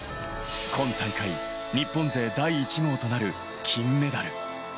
今大会、日本勢第１号となる金メダル。